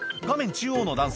中央の男性